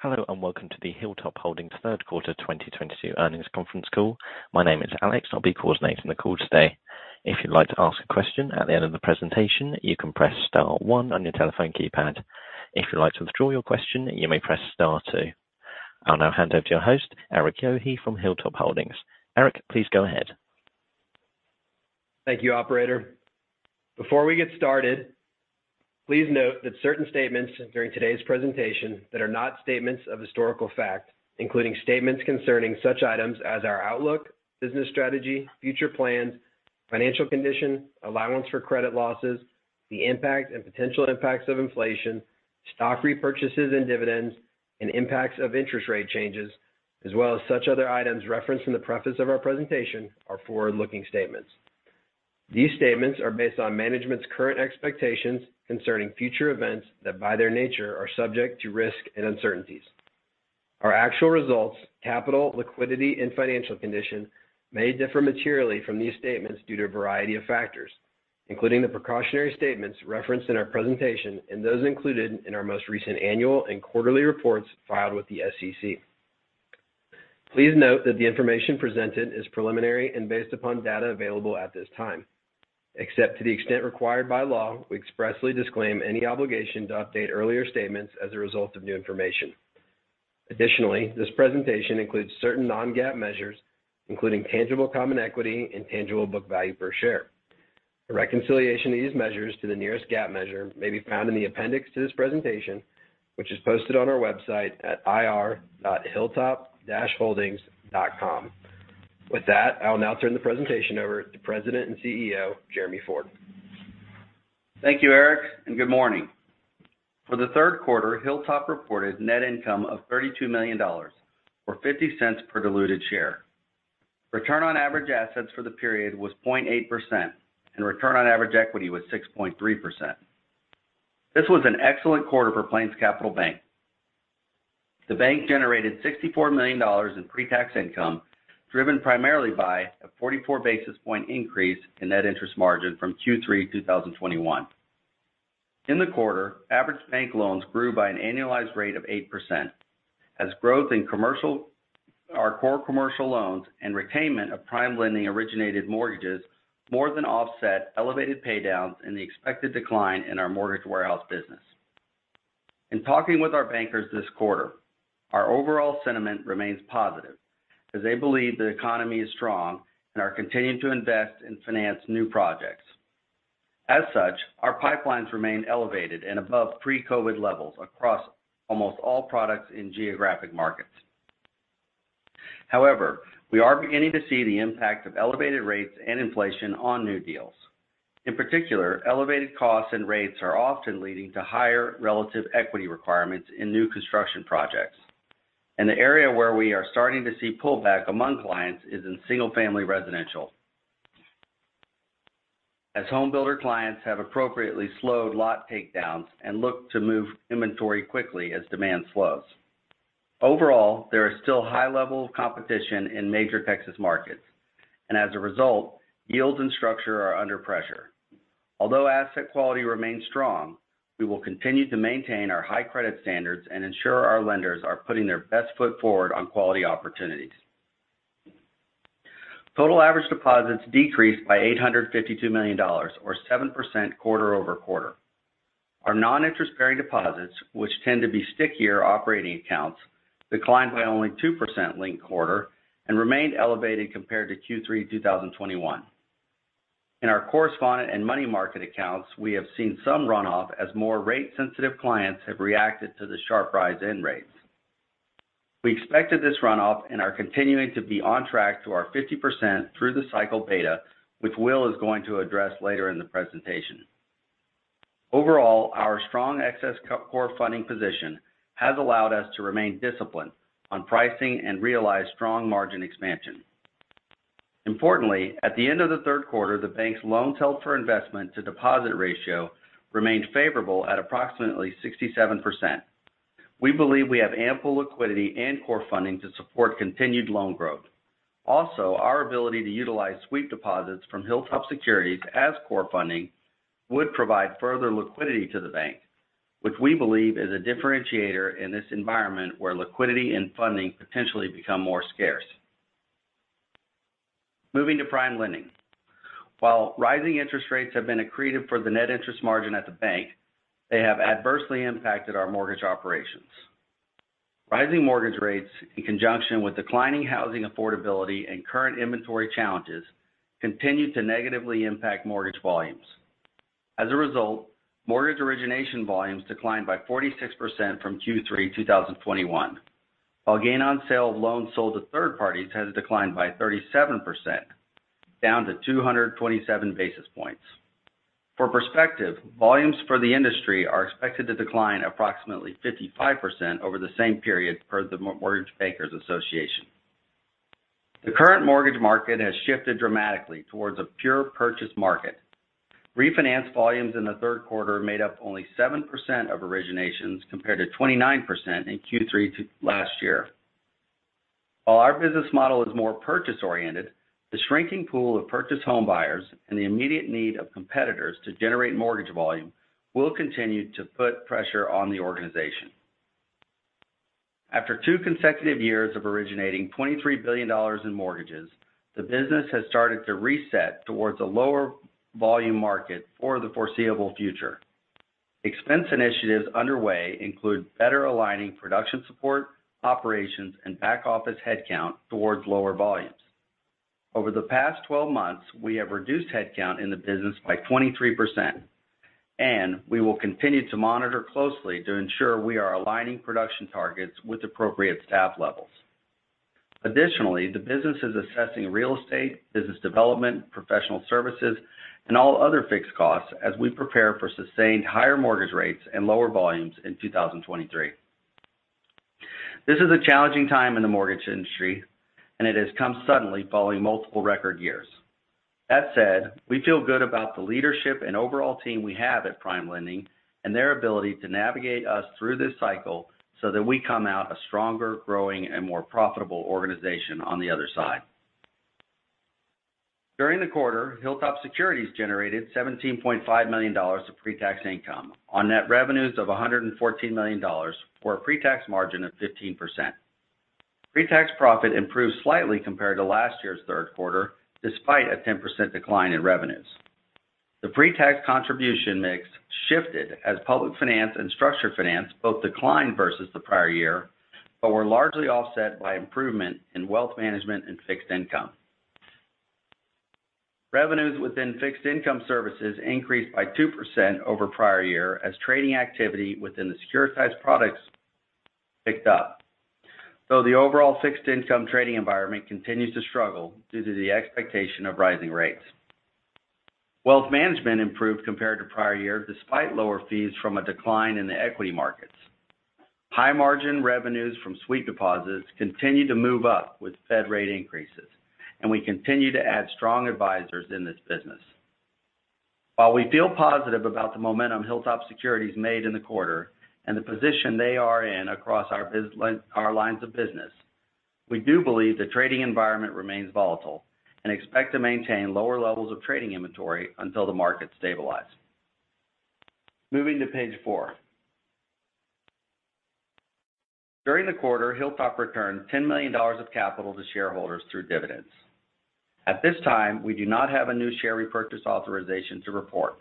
Hello, and welcome to the Hilltop Holdings Third Quarter 2022 Earnings Conference Call. My name is Alex. I'll be coordinating the call today. If you'd like to ask a question at the end of the presentation, you can press star one on your telephone keypad. If you'd like to withdraw your question, you may press star two. I'll now hand over to your host, Erik Yohe from Hilltop Holdings. Erik, please go ahead. Thank you, operator. Before we get started, please note that certain statements during today's presentation that are not statements of historical fact, including statements concerning such items as our outlook, business strategy, future plans, financial condition, allowance for credit losses, the impact and potential impacts of inflation, stock repurchases and dividends, and impacts of interest rate changes, as well as such other items referenced in the preface of our presentation are forward-looking statements. These statements are based on management's current expectations concerning future events that, by their nature, are subject to risk and uncertainties. Our actual results, capital, liquidity, and financial condition may differ materially from these statements due to a variety of factors, including the precautionary statements referenced in our presentation and those included in our most recent annual and quarterly reports filed with the SEC. Please note that the information presented is preliminary and based upon data available at this time. Except to the extent required by law, we expressly disclaim any obligation to update earlier statements as a result of new information. Additionally, this presentation includes certain Non-GAAP measures, including tangible common equity and tangible book value per share. The reconciliation of these measures to the nearest GAAP measure may be found in the appendix to this presentation, which is posted on our website at ir.hilltop-holdings.com. With that, I'll now turn the presentation over to President and CEO, Jeremy Ford. Thank you, Erik, and good morning. For the third quarter, Hilltop reported net income of $32 million or $0.50 per diluted share. Return on average assets for the period was 0.8% and return on average equity was 6.3%. This was an excellent quarter for PlainsCapital Bank. The bank generated $64 million in pre-tax income, driven primarily by a 44 basis point increase in net interest margin from Q3 2021. In the quarter, average bank loans grew by an annualized rate of 8% as growth in our core commercial loans and retention of PrimeLending originated mortgages more than offset elevated paydowns in the expected decline in our mortgage warehouse business. In talking with our bankers this quarter, our overall sentiment remains positive as they believe the economy is strong and are continuing to invest and finance new projects. As such, our pipelines remain elevated and above pre-COVID levels across almost all products in geographic markets. However, we are beginning to see the impact of elevated rates and inflation on new deals. In particular, elevated costs and rates are often leading to higher relative equity requirements in new construction projects. The area where we are starting to see pullback among clients is in single-family residential as home builder clients have appropriately slowed lot takedowns and look to move inventory quickly as demand slows. Overall, there is still high level of competition in major Texas markets, and as a result, yields and structure are under pressure. Although asset quality remains strong, we will continue to maintain our high credit standards and ensure our lenders are putting their best foot forward on quality opportunities. Total average deposits decreased by $852 million or 7% quarter-over-quarter. Our non-interest-bearing deposits, which tend to be stickier operating accounts, declined by only 2% linked quarter and remained elevated compared to Q3 2021. In our correspondent and money market accounts, we have seen some runoff as more rate-sensitive clients have reacted to the sharp rise in rates. We expected this runoff and are continuing to be on track to our 50% through the cycle beta, which Will is going to address later in the presentation. Overall, our strong excess core funding position has allowed us to remain disciplined on pricing and realize strong margin expansion. Importantly, at the end of the third quarter, the bank's loans held for investment to deposit ratio remained favorable at approximately 67%. We believe we have ample liquidity and core funding to support continued loan growth. Our ability to utilize sweep deposits from HilltopSecurities as core funding would provide further liquidity to the bank, which we believe is a differentiator in this environment where liquidity and funding potentially become more scarce. Moving to PrimeLending. While rising interest rates have been accretive for the net interest margin at the bank, they have adversely impacted our mortgage operations. Rising mortgage rates in conjunction with declining housing affordability and current inventory challenges continue to negatively impact mortgage volumes. As a result, mortgage origination volumes declined by 46% from Q3 2021. While gain on sale of loans sold to third parties has declined by 37%, down to 227 basis points. For perspective, volumes for the industry are expected to decline approximately 55% over the same period, per the Mortgage Bankers Association. The current mortgage market has shifted dramatically towards a pure purchase market. Refinance volumes in the third quarter made up only 7% of originations compared to 29% in Q3 last year. While our business model is more purchase-oriented, the shrinking pool of purchase home buyers and the immediate need of competitors to generate mortgage volume will continue to put pressure on the organization. After two consecutive years of originating $23 billion in mortgages, the business has started to reset towards a lower volume market for the foreseeable future. Expense initiatives underway include better aligning production support, operations, and back office headcount towards lower volumes. Over the past 12 months, we have reduced headcount in the business by 23%, and we will continue to monitor closely to ensure we are aligning production targets with appropriate staff levels. Additionally, the business is assessing real estate, business development, professional services, and all other fixed costs as we prepare for sustained higher mortgage rates and lower volumes in 2023. This is a challenging time in the mortgage industry, and it has come suddenly following multiple record years. That said, we feel good about the leadership and overall team we have at PrimeLending and their ability to navigate us through this cycle so that we come out a stronger, growing, and more profitable organization on the other side. During the quarter, HilltopSecurities generated $17.5 million of pre-tax income on net revenues of $114 million, for a pre-tax margin of 15%. Pre-tax profit improved slightly compared to last year's third quarter, despite a 10% decline in revenues. The pre-tax contribution mix shifted as public finance and structured finance both declined versus the prior year, but were largely offset by improvement in wealth management and fixed income. Revenues within fixed income services increased by 2% over prior year as trading activity within the securitized products picked up. Though the overall fixed income trading environment continues to struggle due to the expectation of rising rates. Wealth management improved compared to prior year, despite lower fees from a decline in the equity markets. High margin revenues from sweep deposits continued to move up with Fed rate increases, and we continue to add strong advisors in this business. While we feel positive about the momentum HilltopSecurities made in the quarter and the position they are in across our lines of business, we do believe the trading environment remains volatile and expect to maintain lower levels of trading inventory until the market stabilizes. Moving to page four. During the quarter, Hilltop returned $10 million of capital to shareholders through dividends. At this time, we do not have a new share repurchase authorization to report,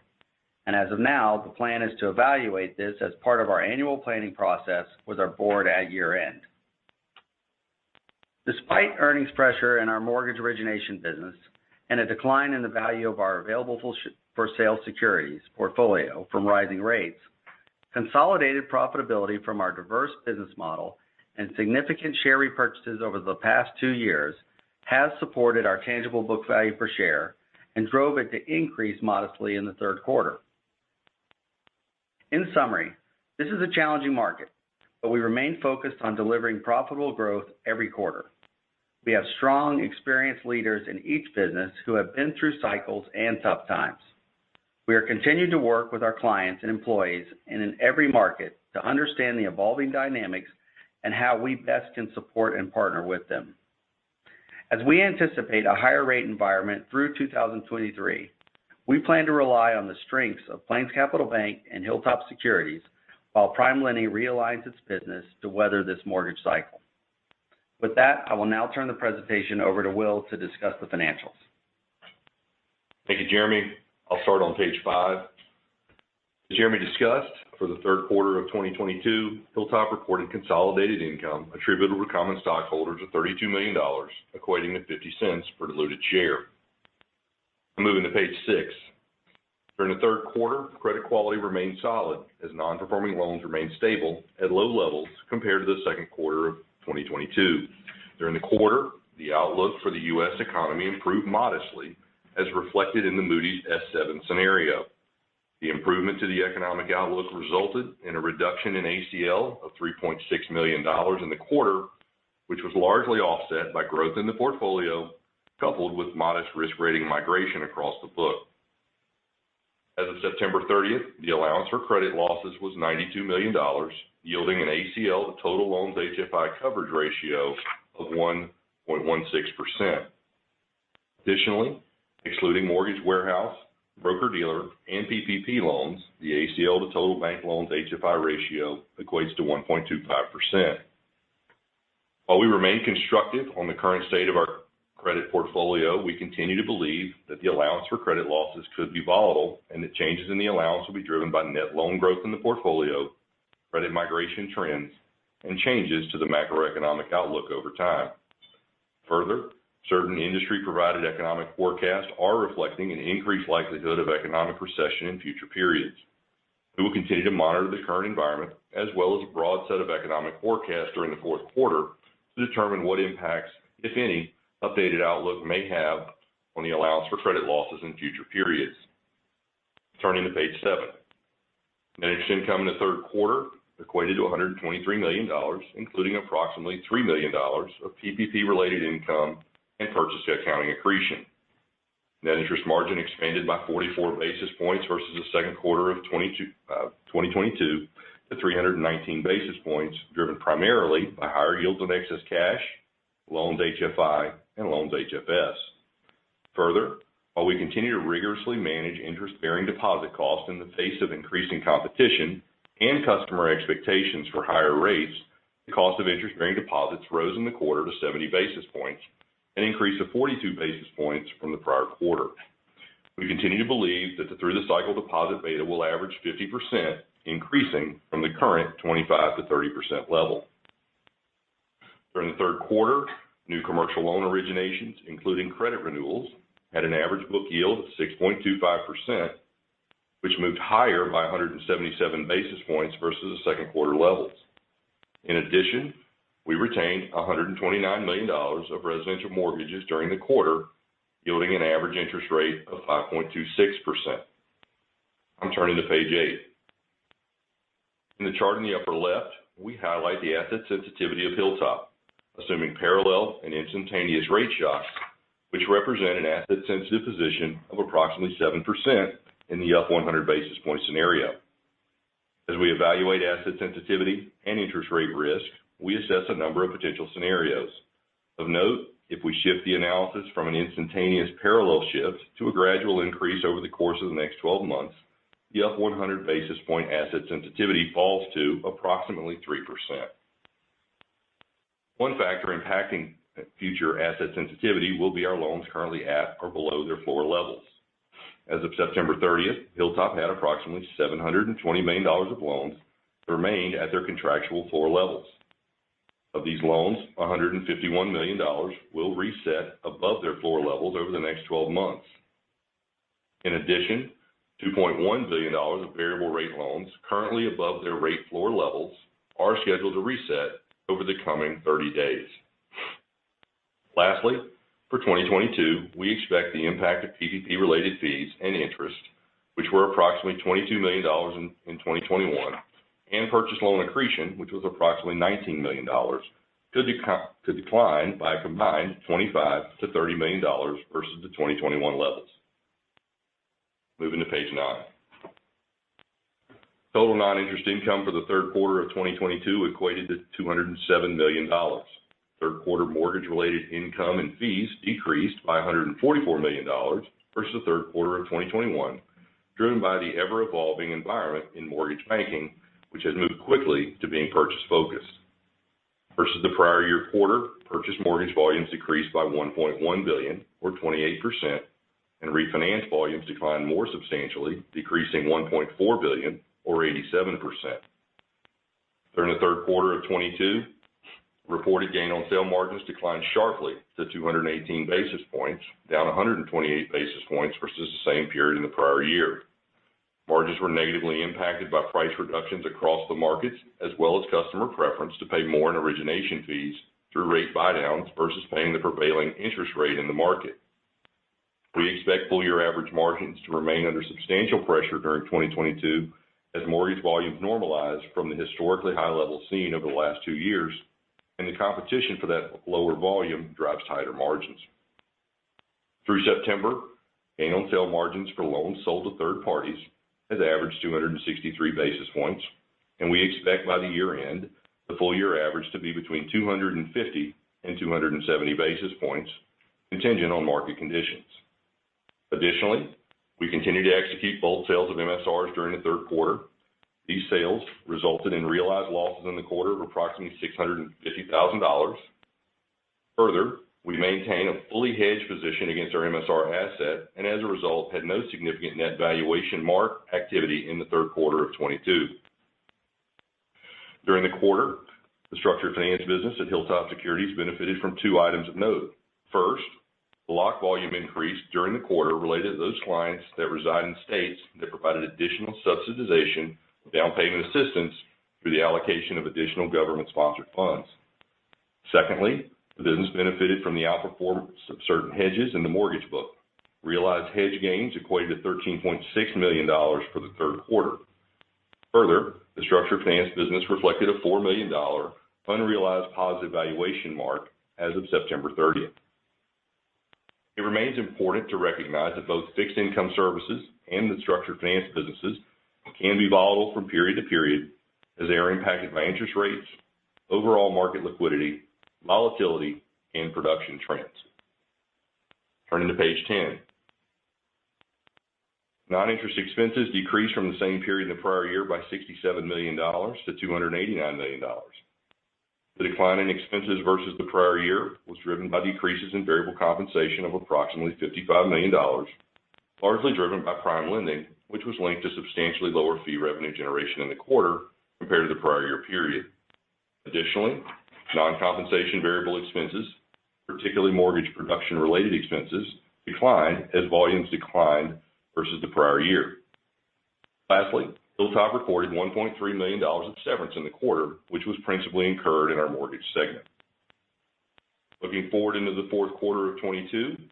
and as of now, the plan is to evaluate this as part of our annual planning process with our board at year-end. Despite earnings pressure in our mortgage origination business and a decline in the value of our available for sale securities portfolio from rising rates, consolidated profitability from our diverse business model and significant share repurchases over the past two years has supported our tangible book value per share and drove it to increase modestly in the third quarter. In summary, this is a challenging market, but we remain focused on delivering profitable growth every quarter. We have strong, experienced leaders in each business who have been through cycles and tough times. We are continuing to work with our clients and employees and in every market to understand the evolving dynamics and how we best can support and partner with them. As we anticipate a higher rate environment through 2023, we plan to rely on the strengths of PlainsCapital Bank and HilltopSecurities while PrimeLending realigns its business to weather this mortgage cycle. With that, I will now turn the presentation over to Will to discuss the financials. Thank you, Jeremy. I'll start on page five. As Jeremy discussed, for the third quarter of 2022, Hilltop reported consolidated income attributable to common stockholders of $32 million, equating to $0.50 per diluted share. Moving to page six. During the third quarter, credit quality remained solid as non-performing loans remained stable at low levels compared to the second quarter of 2022. During the quarter, the outlook for the U.S. economy improved modestly, as reflected in the Moody's S7 scenario. The improvement to the economic outlook resulted in a reduction in ACL of $3.6 million in the quarter, which was largely offset by growth in the portfolio, coupled with modest risk rating migration across the book. As of September 30th, the allowance for credit losses was $92 million, yielding an ACL to total loans HFI coverage ratio of 1.16%. Additionally, excluding mortgage warehouse, broker-dealer, and PPP loans, the ACL to total bank loans HFI ratio equates to 1.25%. While we remain constructive on the current state of our credit portfolio, we continue to believe that the allowance for credit losses could be volatile, and that changes in the allowance will be driven by net loan growth in the portfolio, credit migration trends, and changes to the macroeconomic outlook over time. Further, certain industry-provided economic forecasts are reflecting an increased likelihood of economic recession in future periods. We will continue to monitor the current environment as well as a broad set of economic forecasts during the fourth quarter to determine what impacts, if any, updated outlook may have on the allowance for credit losses in future periods. Turning to page seven. Managed income in the third quarter equated to $123 million, including approximately $3 million of PPP-related income and purchase accounting accretion. Net interest margin expanded by 44 basis points versus the second quarter of 2022 to 319 basis points, driven primarily by higher yields on excess cash, loans HFI and loans HFS. Further, while we continue to rigorously manage interest-bearing deposit costs in the face of increasing competition and customer expectations for higher rates, the cost of interest-bearing deposits rose in the quarter to 70 basis points, an increase of 42 basis points from the prior quarter. We continue to believe that the through the cycle deposit beta will average 50%, increasing from the current 25%-30% level. During the third quarter, new commercial loan originations, including credit renewals, had an average book yield of 6.25%, which moved higher by 177 basis points versus the second quarter levels. In addition, we retained $129 million of residential mortgages during the quarter, yielding an average interest rate of 5.26%. I'm turning to page eight. In the chart in the upper left, we highlight the asset sensitivity of Hilltop, assuming parallel and instantaneous rate shocks, which represent an asset-sensitive position of approximately 7% in the up 100 basis point scenario. As we evaluate asset sensitivity and interest rate risk, we assess a number of potential scenarios. Of note, if we shift the analysis from an instantaneous parallel shift to a gradual increase over the course of the next 12 months, the up 100 basis point asset sensitivity falls to approximately 3%. One factor impacting future asset sensitivity will be our loans currently at or below their floor levels. As of September 30th, Hilltop had approximately $720 million of loans that remained at their contractual floor levels. Of these loans, $151 million will reset above their floor levels over the next 12 months. In addition, $2.1 billion of variable rate loans currently above their rate floor levels are scheduled to reset over the coming 30 days. Lastly, for 2022, we expect the impact of PPP related fees and interest, which were approximately $22 million in 2021, and purchase loan accretion, which was approximately $19 million, to decline by a combined $25 million-$30 million versus the 2021 levels. Moving to page nine. Total non-interest income for the third quarter of 2022 equated to $207 million. Third quarter mortgage-related income and fees decreased by $144 million versus the third quarter of 2021, driven by the ever-evolving environment in mortgage banking, which has moved quickly to being purchase focused. Versus the prior year quarter, purchase mortgage volumes decreased by $1.1 billion or 28%, and refinance volumes declined more substantially, decreasing $1.4 billion or 87%. During the third quarter of 2022, reported gain on sale margins declined sharply to 218 basis points, down 128 basis points versus the same period in the prior year. Margins were negatively impacted by price reductions across the markets, as well as customer preference to pay more in origination fees through rate buydowns versus paying the prevailing interest rate in the market. We expect full-year average margins to remain under substantial pressure during 2022 as mortgage volumes normalize from the historically high level seen over the last two years, and the competition for that lower volume drives tighter margins. Through September, gain on sale margins for loans sold to third parties has averaged 263 basis points, and we expect by the year end the full year average to be between 250 and 270 basis points, contingent on market conditions. Additionally, we continue to execute both sales of MSRs during the third quarter. These sales resulted in realized losses in the quarter of approximately $650,000. Further, we maintain a fully hedged position against our MSR asset, and as a result, had no significant net valuation mark activity in the third quarter of 2022. During the quarter, the structured finance business at Hilltop Securities benefited from two items of note. First, the lock volume increase during the quarter related to those clients that reside in states that provided additional subsidization with down payment assistance through the allocation of additional government-sponsored funds. Secondly, the business benefited from the outperformance of certain hedges in the mortgage book. Realized hedge gains equated to $13.6 million for the third quarter. Further, the structured finance business reflected a $4 million unrealized positive valuation mark as of September 30th. It remains important to recognize that both fixed income services and the structured finance businesses can be volatile from period to period as they are impacted by interest rates, overall market liquidity, volatility, and production trends. Turning to page 10. Non-interest expenses decreased from the same period in the prior year by $67 million to $289 million. The decline in expenses versus the prior year was driven by decreases in variable compensation of approximately $55 million, largely driven by PrimeLending, which was linked to substantially lower fee revenue generation in the quarter compared to the prior year period. Additionally, non-compensation variable expenses, particularly mortgage production related expenses, declined as volumes declined versus the prior year. Lastly, Hilltop recorded $1.3 million of severance in the quarter, which was principally incurred in our mortgage segment. Looking forward into the fourth quarter of 2022,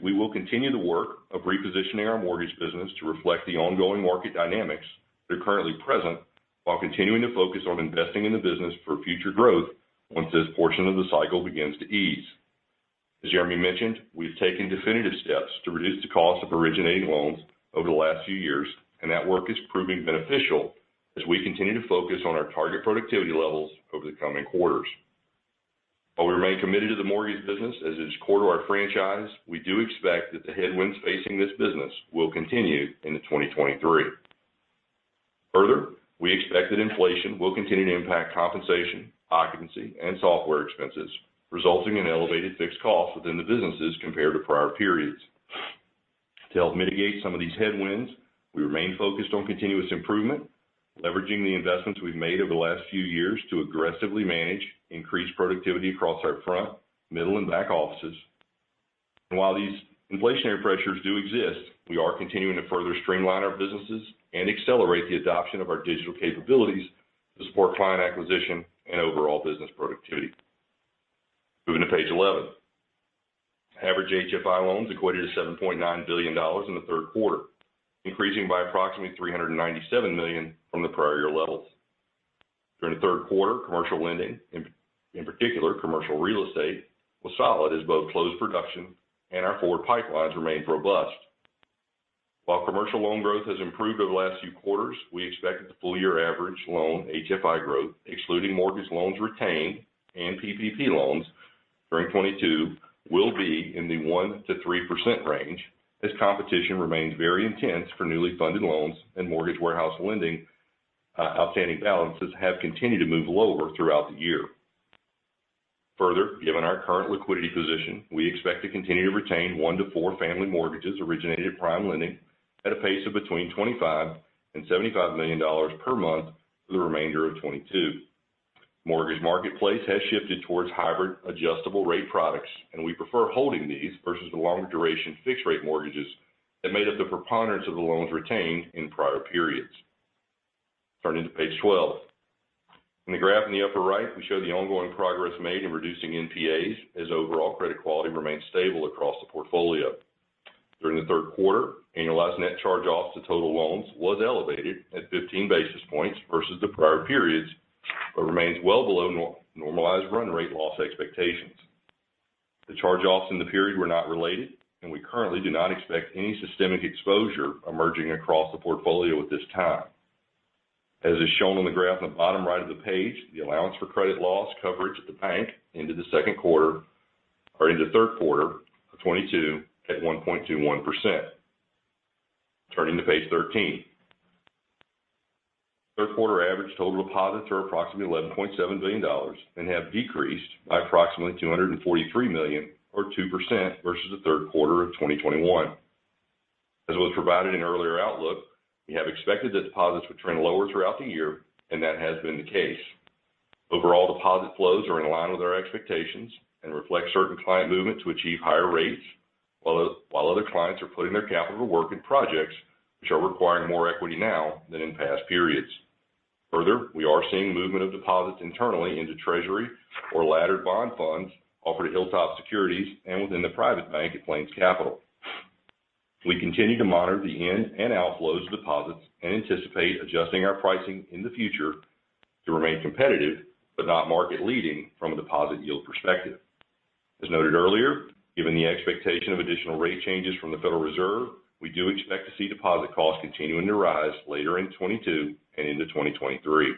we will continue the work of repositioning our mortgage business to reflect the ongoing market dynamics that are currently present. While continuing to focus on investing in the business for future growth once this portion of the cycle begins to ease. As Jeremy mentioned, we've taken definitive steps to reduce the cost of originating loans over the last few years, and that work is proving beneficial as we continue to focus on our target productivity levels over the coming quarters. While we remain committed to the mortgage business as it is core to our franchise, we do expect that the headwinds facing this business will continue into 2023. Further, we expect that inflation will continue to impact compensation, occupancy, and software expenses, resulting in elevated fixed costs within the businesses compared to prior periods. To help mitigate some of these headwinds, we remain focused on continuous improvement, leveraging the investments we've made over the last few years to aggressively manage increased productivity across our front, middle, and back offices. While these inflationary pressures do exist, we are continuing to further streamline our businesses and accelerate the adoption of our digital capabilities to support client acquisition and overall business productivity. Moving to page 11. Average HFI loans equated to $7.9 billion in the third quarter, increasing by approximately $397 million from the prior year levels. During the third quarter, commercial lending, in particular, commercial real estate, was solid as both closed production and our forward pipelines remained robust. While commercial loan growth has improved over the last few quarters, we expect that the full year average loan HFI growth, excluding mortgage loans retained and PPP loans during 2022, will be in the 1%-3% range as competition remains very intense for newly funded loans and mortgage warehouse lending, outstanding balances have continued to move lower throughout the year. Further, given our current liquidity position, we expect to continue to retain one to four family mortgages originated at PrimeLending at a pace of between $25 million and $75 million per month for the remainder of 2022. Mortgage marketplace has shifted towards hybrid adjustable rate products, and we prefer holding these versus the longer duration fixed rate mortgages that made up the preponderance of the loans retained in prior periods. Turning to page 12. In the graph in the upper right, we show the ongoing progress made in reducing NPAs as overall credit quality remains stable across the portfolio. During the third quarter, annualized net charge-offs to total loans was elevated at 15 basis points versus the prior periods, but remains well below non-normalized run rate loss expectations. The charge-offs in the period were not related, and we currently do not expect any systemic exposure emerging across the portfolio at this time. As is shown on the graph on the bottom right of the page, the allowance for credit loss coverage at the bank into the second quarter or into third quarter of 2022 at 1.21%. Turning to page 13. Third quarter average total deposits are approximately $11.7 billion and have decreased by approximately $243 million or 2% versus the third quarter of 2021. As was provided in earlier outlook, we have expected that deposits would trend lower throughout the year, and that has been the case. Overall deposit flows are in line with our expectations and reflect certain client movement to achieve higher rates, while other clients are putting their capital to work in projects which are requiring more equity now than in past periods. Further, we are seeing movement of deposits internally into treasury or laddered bond funds offered at Hilltop Securities and within the private bank at PlainsCapital. We continue to monitor the inflows and outflows of deposits and anticipate adjusting our pricing in the future to remain competitive but not market leading from a deposit yield perspective. As noted earlier, given the expectation of additional rate changes from the Federal Reserve, we do expect to see deposit costs continuing to rise later in 2022 and into 2023.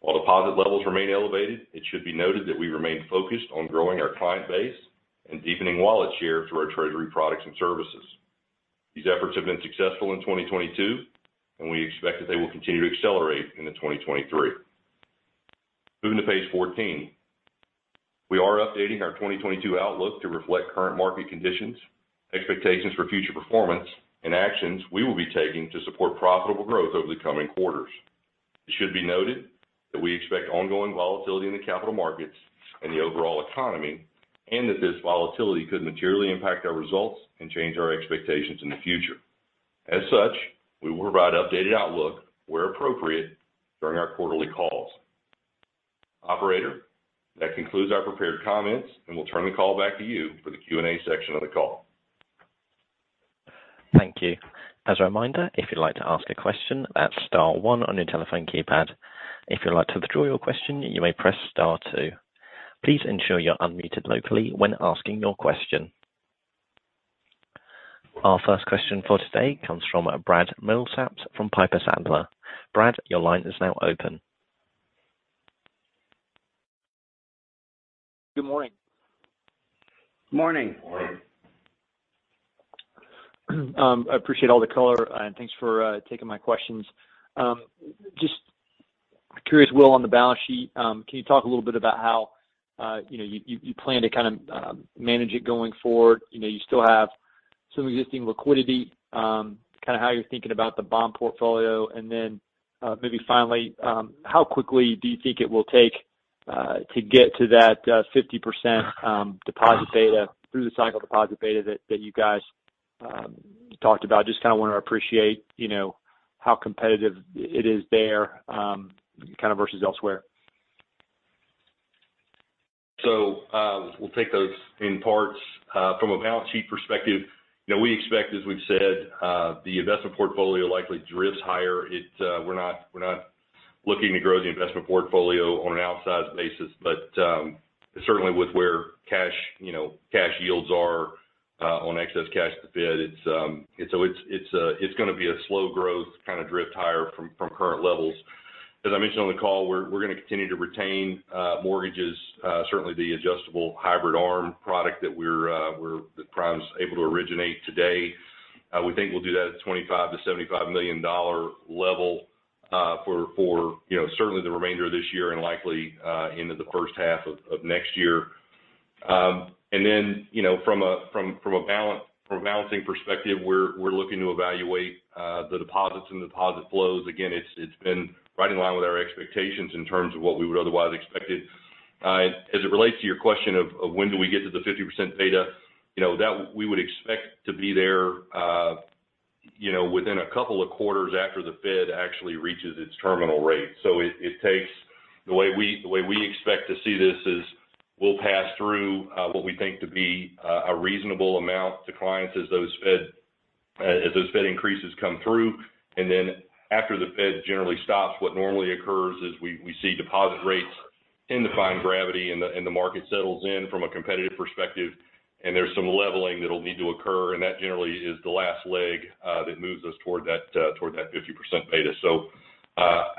While deposit levels remain elevated, it should be noted that we remain focused on growing our client base and deepening wallet share through our treasury products and services. These efforts have been successful in 2022, and we expect that they will continue to accelerate into 2023. Moving to page 14. We are updating our 2022 outlook to reflect current market conditions, expectations for future performance, and actions we will be taking to support profitable growth over the coming quarters. It should be noted that we expect ongoing volatility in the capital markets and the overall economy, and that this volatility could materially impact our results and change our expectations in the future. As such, we will provide updated outlook where appropriate during our quarterly calls. Operator, that concludes our prepared comments, and we'll turn the call back to you for the Q&A section of the call. Thank you. As a reminder, if you'd like to ask a question, that's star one on your telephone keypad. If you'd like to withdraw your question, you may press star two. Please ensure you're unmuted locally when asking your question. Our first question for today comes from Brad Milsaps from Piper Sandler. Brad, your line is now open. Good morning. Morning. Morning. I appreciate all the color, and thanks for taking my questions. Just curious, Will, on the balance sheet, can you talk a little bit about how you know, you plan to kind of manage it going forward? You know, you still have some existing liquidity, kind of how you're thinking about the bond portfolio. Maybe finally, how quickly do you think it will take to get to that 50% deposit beta through the cycle deposit beta that you guys talked about? Just kind of want to appreciate, you know, how competitive it is there, kind of versus elsewhere. We'll take those in parts. From a balance sheet perspective, you know, we expect, as we've said, the investment portfolio likely drifts higher. It, we're not looking to grow the investment portfolio on an outsize basis, but certainly with where cash, you know, cash yields are on excess cash to bid, it's gonna be a slow growth kind of drift higher from current levels. As I mentioned on the call, we're gonna continue to retain mortgages, certainly the adjustable hybrid ARM product that Prime is able to originate today. We think we'll do that at $25 million-$75 million level, for you know, certainly the remainder of this year and likely into the first half of next year. You know, from a balancing perspective, we're looking to evaluate the deposits and deposit flows. Again, it's been right in line with our expectations in terms of what we would otherwise expected. As it relates to your question of when do we get to the 50% beta, you know, that we would expect to be there, you know, within a couple of quarters after the Fed actually reaches its terminal rate. It takes the way we expect to see this is we'll pass through what we think to be a reasonable amount to clients as those Fed increases come through. After the Fed generally stops, what normally occurs is we see deposit rates tend to find gravity and the market settles in from a competitive perspective, and there's some leveling that'll need to occur. That generally is the last leg that moves us toward that 50% beta.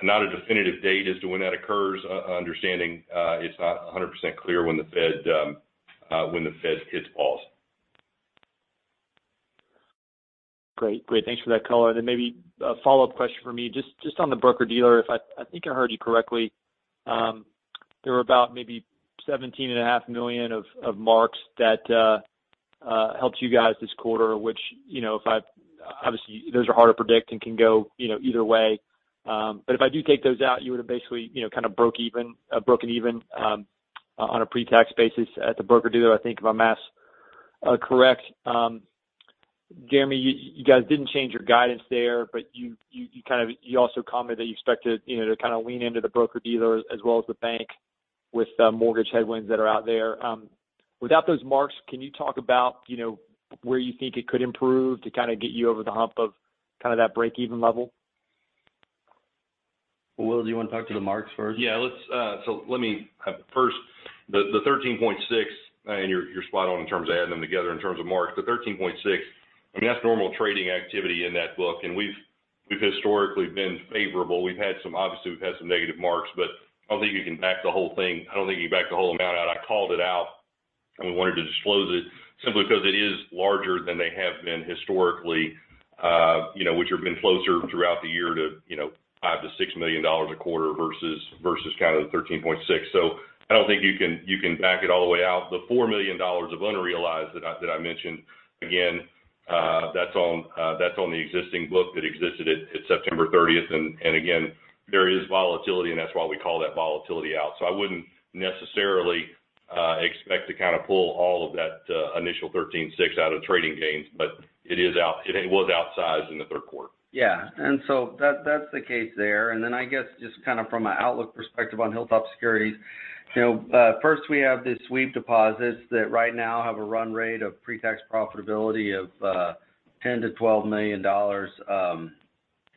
Not a definitive date as to when that occurs, understanding it's not 100% clear when the Fed hits pause. Great. Thanks for that color. Maybe a follow-up question for me, just on the broker-dealer. I think I heard you correctly, there were about maybe $17.5 million of marks that helped you guys this quarter, which, you know, obviously, those are hard to predict and can go, you know, either way. But if I do take those out, you would have basically, you know, kind of broken even on a pre-tax basis at the broker-dealer, I think, if I'm correct. Jeremy, you guys didn't change your guidance there, but you kind of also commented that you expect to, you know, to kind of lean into the broker-dealer as well as the bank with the mortgage headwinds that are out there. Without those marks, can you talk about, you know, where you think it could improve to kind of get you over the hump of kind of that break-even level? Will, do you want to talk to the marks first? Yeah, let's. The 13.6, and you're spot on in terms of adding them together in terms of marks. The 13.6, I mean, that's normal trading activity in that book, and we've historically been favorable. We've had some negative marks, obviously, but I don't think you can back the whole thing. I don't think you can back the whole amount out. I called it out, and we wanted to disclose it simply because it is larger than they have been historically, which have been closer throughout the year to $5-$6 million a quarter versus kind of the 13.6. I don't think you can back it all the way out. The $4 million of unrealized that I mentioned, again, that's on the existing book that existed at September 30th. Again, there is volatility, and that's why we call that volatility out. I wouldn't necessarily expect to kind of pull all of that initial $13.6 million out of trading gains, but it is out. It was outsized in the third quarter. Yeah. That's the case there. I guess just kind of from an outlook perspective on HilltopSecurities, you know, first we have the sweep deposits that right now have a run rate of pre-tax profitability of $10 million-$12 million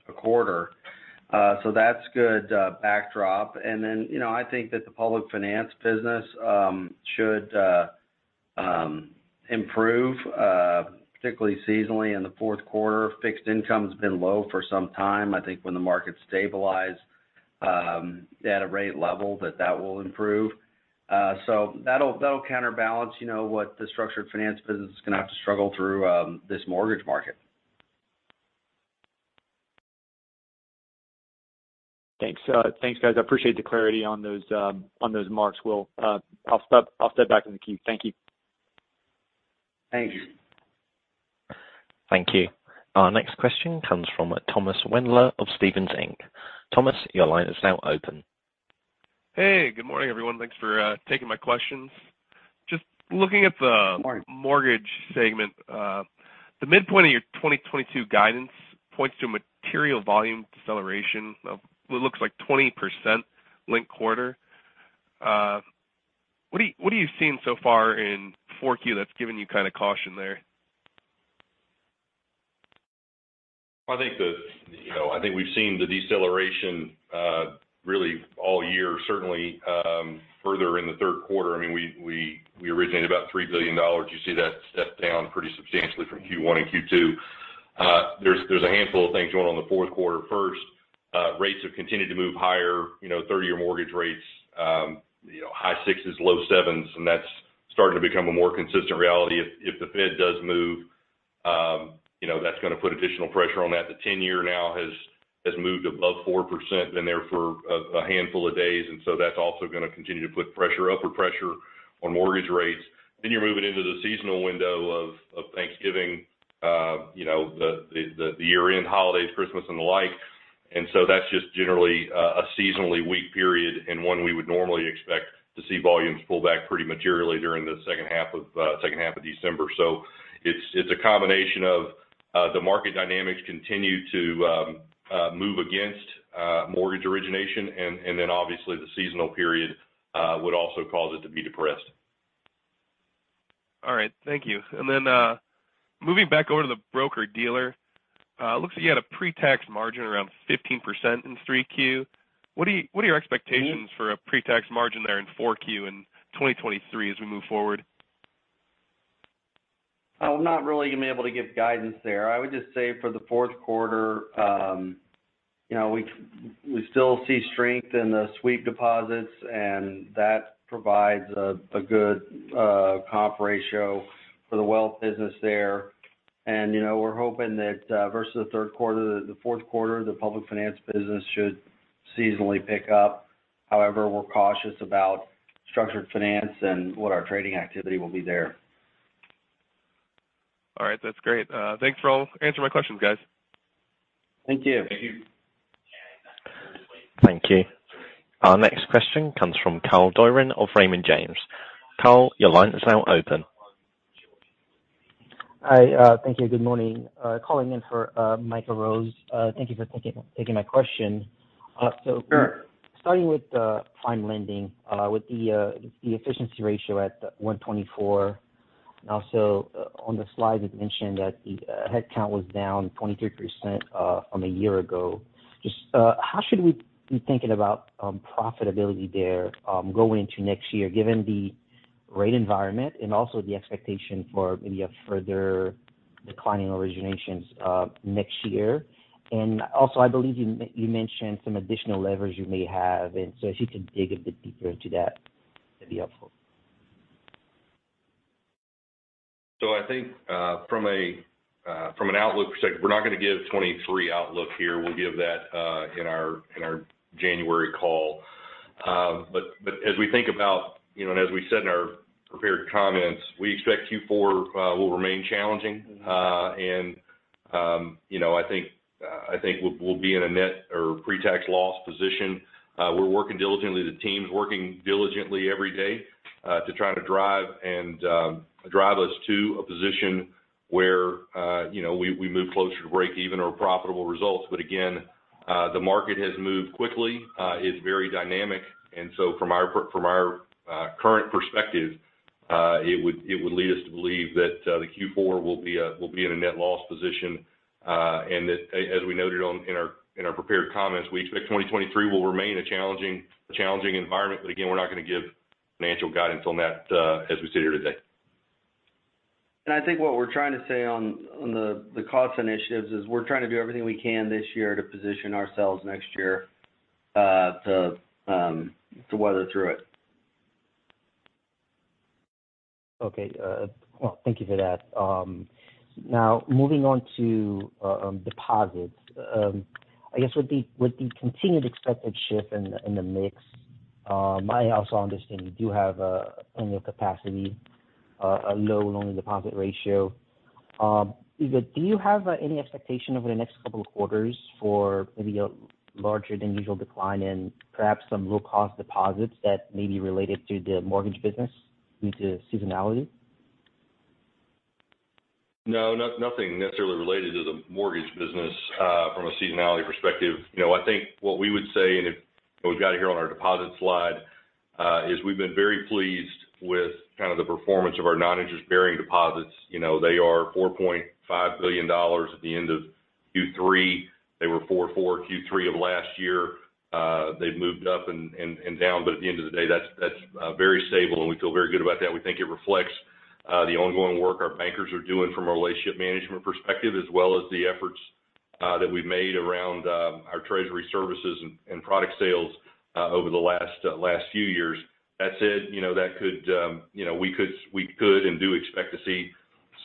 a quarter. So that's good backdrop. I think that the public finance business should improve, particularly seasonally in the fourth quarter. Fixed income's been low for some time. I think when the market stabilize at a rate level that that will improve. So that'll counterbalance, you know, what the structured finance business is gonna have to struggle through this mortgage market. Thanks. Thanks, guys. I appreciate the clarity on those marks. I'll step back in the queue. Thank you. Thank you. Thank you. Our next question comes from Thomas Wendler of Stephens Inc. Thomas, your line is now open. Hey, good morning, everyone. Thanks for taking my questions. Just looking at the Good morning. Mortgage segment, the midpoint of your 2022 guidance points to a material volume deceleration of what looks like 20% linked quarter. What are you seeing so far in 4Q that's giving you kind of caution there? I think we've seen the deceleration really all year, certainly further in the third quarter. I mean, we originated about $3 billion. You see that step down pretty substantially from Q1 and Q2. There's a handful of things going on in the fourth quarter. First, rates have continued to move higher, you know, 30-year mortgage rates, you know, high 6s, low 7s, and that's starting to become a more consistent reality. If the Fed does move, you know, that's gonna put additional pressure on that. The ten-year now has moved above 4%, been there for a handful of days, and so that's also gonna continue to put pressure, upward pressure on mortgage rates. You're moving into the seasonal window of Thanksgiving, you know, the year-end holidays, Christmas and the like. That's just generally a seasonally weak period and one we would normally expect to see volumes pull back pretty materially during the second half of December. It's a combination of the market dynamics continue to move against mortgage origination and then obviously the seasonal period would also cause it to be depressed. All right. Thank you. Then, moving back over to the broker-dealer, looks like you had a pre-tax margin around 15% in 3Q. What are your expectations for a pre-tax margin there in 4Q in 2023 as we move forward? I'm not really gonna be able to give guidance there. I would just say for the fourth quarter, you know, we still see strength in the sweep deposits, and that provides a good comp ratio for the wealth business there. You know, we're hoping that versus the third quarter, the fourth quarter, the public finance business should seasonally pick up. However, we're cautious about structured finance and what our trading activity will be there. All right, that's great. Thanks for all answering my questions, guys. Thank you. Thank you. Thank you. Our next question comes from [inaudible] of Raymond James. [inaudible] your line is now open. Hi. Thank you. Good morning. Calling in for Michael Rose. Thank you for taking my question. Sure. Starting with PrimeLending with the efficiency ratio at 124%. Also on the slide, you mentioned that the head count was down 23% from a year ago. Just how should we be thinking about profitability there going into next year, given the rate environment and also the expectation for maybe a further declining originations next year? Also, I believe you mentioned some additional levers you may have, and so if you could dig a bit deeper into that'd be helpful. I think from an outlook perspective, we're not gonna give 2023 outlook here. We'll give that in our January call. As we think about, you know, and as we said in our prepared comments, we expect Q4 will remain challenging. You know, I think we'll be in a net or pre-tax loss position. We're working diligently. The team's working diligently every day to try to drive us to a position where, you know, we move closer to break even or profitable results. Again, the market has moved quickly. It's very dynamic. From our current perspective, it would lead us to believe that the Q4 we'll be in a net loss position, and that as we noted in our prepared comments, we expect 2023 will remain a challenging environment. Again, we're not gonna give financial guidance on that as we sit here today. I think what we're trying to say on the cost initiatives is we're trying to do everything we can this year to position ourselves next year to weather through it. Okay. Well, thank you for that. Now moving on to deposits. I guess with the continued expected shift in the mix, I also understand you do have ample capacity, a low loan-to-deposit ratio. Do you have any expectation over the next couple of quarters for maybe a larger than usual decline in perhaps some low-cost deposits that may be related to the mortgage business due to seasonality? No, nothing necessarily related to the mortgage business from a seasonality perspective. You know, I think what we would say, and if what we've got here on our deposit slide, is we've been very pleased with kind of the performance of our non-interest-bearing deposits. You know, they are $4.5 billion at the end of Q3. They were $4.4 billion at the end of Q3 of last year. They've moved up and down, but at the end of the day, that's very stable and we feel very good about that. We think it reflects the ongoing work our bankers are doing from a relationship management perspective, as well as the efforts that we've made around our treasury services and product sales over the last few years. That said, you know, we could and do expect to see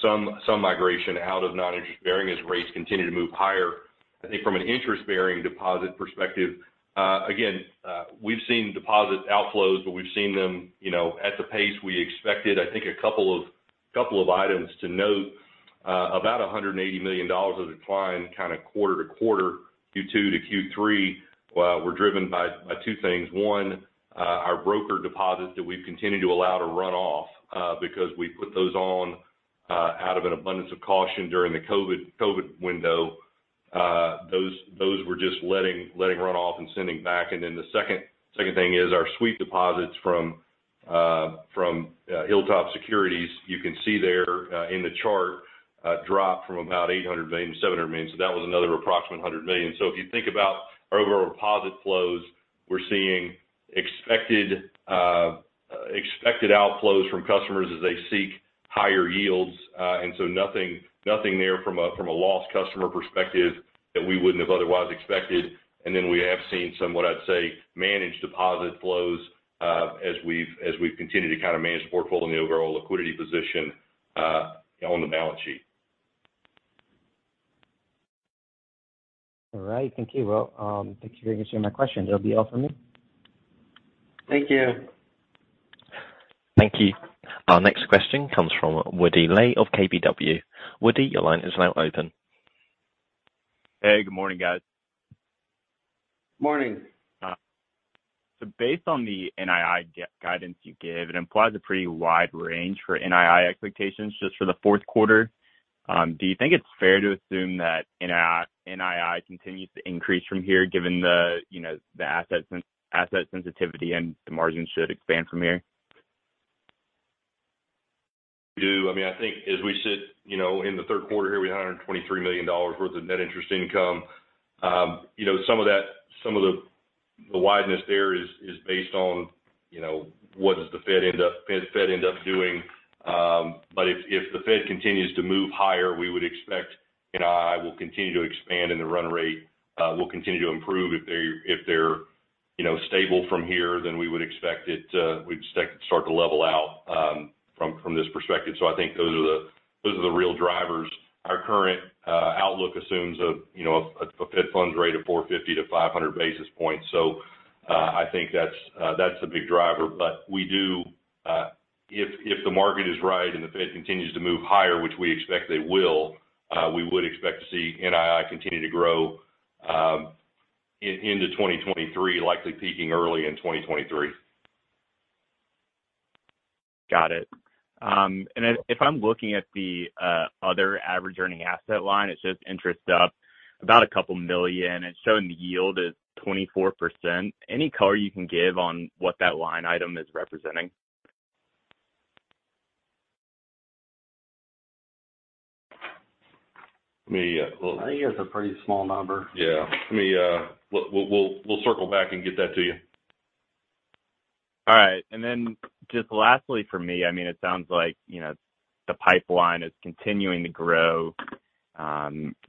some migration out of non-interest-bearing as rates continue to move higher. I think from an interest-bearing deposit perspective, again, we've seen deposit outflows, but we've seen them, you know, at the pace we expected. I think a couple of items to note, about $180 million of decline kind of quarter to quarter, Q2 to Q3, were driven by two things. One, our broker deposits that we've continued to allow to run off, because we put those on, out of an abundance of caution during the COVID window. Those we're just letting run off and sending back. The second thing is our sweep deposits from HilltopSecurities. You can see there in the chart dropped from about $800 million to $700 million. That was another approximate $100 million. If you think about our overall deposit flows, we're seeing expected outflows from customers as they seek higher yields. Nothing there from a lost customer perspective that we wouldn't have otherwise expected. Then we have seen some what I'd say managed deposit flows, as we've continued to kind of manage the portfolio and the overall liquidity position on the balance sheet. All right. Thank you. Well, thank you for answering my question. That'll be all for me. Thank you. Thank you. Our next question comes from Woody Lay of KBW. Woody, your line is now open. Hey, good morning, guys. Morning. Based on the NII guidance you give, it implies a pretty wide range for NII expectations just for the fourth quarter. Do you think it's fair to assume that NII continues to increase from here given the, you know, the asset sensitivity and the margin should expand from here? We do. I mean, I think as we sit, you know, in the third quarter here, we had $123 million worth of net interest income. You know, some of the wideness there is based on, you know, what the Fed ends up doing. But if the Fed continues to move higher, we would expect NII will continue to expand and the run rate will continue to improve. If they're you know, stable from here, then we would expect it start to level out from this perspective. I think those are the real drivers. Our current outlook assumes a you know, a Fed funds rate of 450-500 basis points. I think that's a big driver. We do, if the market is right and the Fed continues to move higher, which we expect they will, we would expect to see NII continue to grow into 2023, likely peaking early in 2023. Got it. If I'm looking at the other average earning asset line, it's just interest up about $2 million. It's showing the yield is 24%. Any color you can give on what that line item is representing? Let me I think it's a pretty small number. Yeah. We'll circle back and get that to you. All right. Just lastly for me, I mean, it sounds like, you know, the pipeline is continuing to grow.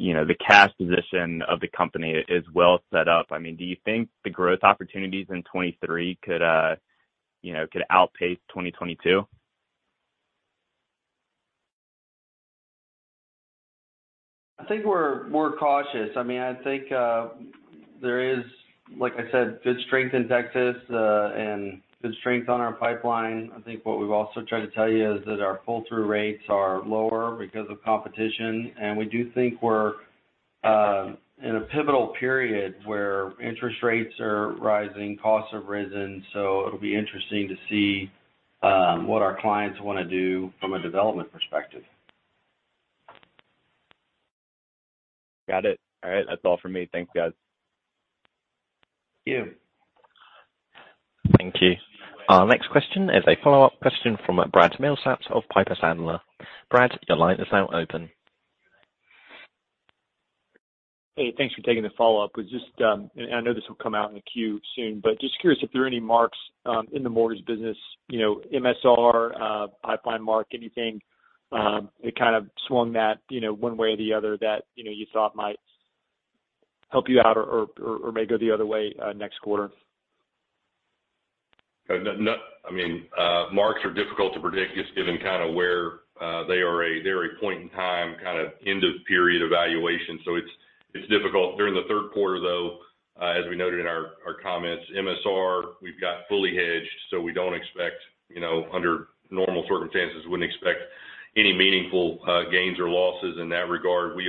You know, the cash position of the company is well set up. I mean, do you think the growth opportunities in 2023 could, you know, could outpace 2022? I think we're more cautious. I mean, I think there is, like I said, good strength in Texas, and good strength on our pipeline. I think what we've also tried to tell you is that our pull-through rates are lower because of competition, and we do think we're in a pivotal period where interest rates are rising, costs have risen. It'll be interesting to see what our clients wanna do from a development perspective. Got it. All right. That's all for me. Thanks, guys. Thank you. Thank you. Our next question is a follow-up question from Brad Milsaps of Piper Sandler. Brad, your line is now open. Hey, thanks for taking the follow-up. I know this will come out in the queue soon, but just curious if there are any marks in the mortgage business, you know, MSR, pipeline mark, anything that kind of swung that, you know, one way or the other that, you know, you thought might help you out or may go the other way next quarter. No, I mean, marks are difficult to predict just given kind of where they are, they're a point in time, kind of end of period evaluation. It's difficult. During the third quarter though, as we noted in our comments, MSR, we've got fully hedged, so we don't expect, you know, under normal circumstances, wouldn't expect any meaningful gains or losses in that regard. We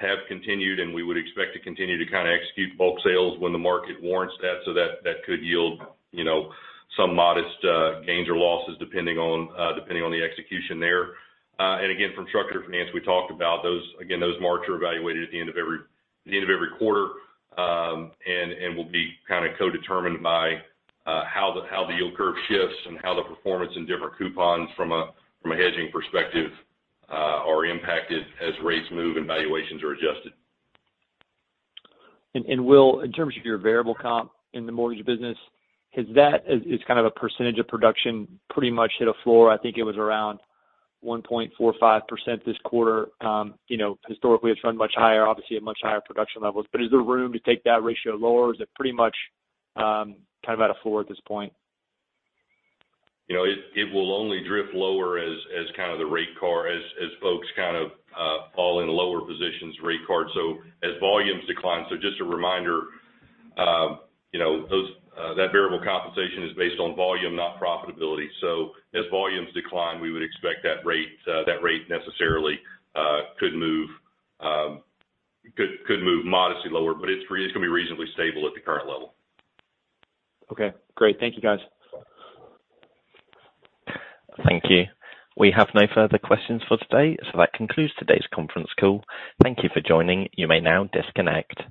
have continued, and we would expect to continue to kind of execute bulk sales when the market warrants that. That could yield, you know, some modest gains or losses depending on depending on the execution there. Again, from structured finance, we talked about those. Again, those marks are evaluated at the end of every quarter, and will be kind of co-determined by how the yield curve shifts and how the performance in different coupons from a hedging perspective are impacted as rates move and valuations are adjusted. Will, in terms of your variable comp in the mortgage business, has that as kind of a percentage of production pretty much hit a floor? I think it was around 1.45% this quarter. You know, historically, it's run much higher, obviously at much higher production levels. Is there room to take that ratio lower, or is it pretty much kind of at a floor at this point? You know, it will only drift lower as folks kind of fall in lower positions rate card. As volumes decline, just a reminder, you know, those that variable compensation is based on volume, not profitability. As volumes decline, we would expect that rate necessarily could move modestly lower, but it's gonna be reasonably stable at the current level. Okay, great. Thank you, guys. Thank you. We have no further questions for today. That concludes today's conference call. Thank you for joining. You may now disconnect.